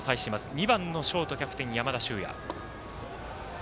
２番のショート、キャプテン山田脩也。